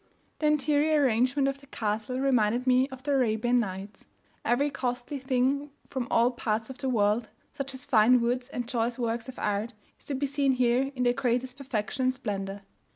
The interior arrangement of the castle reminded me of the "Arabian Nights;" every costly thing from all parts of the world, such as fine woods and choice works of art, is to be seen here in the greatest perfection and splendour.